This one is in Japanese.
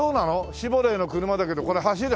シボレーの車だけどこれ走る？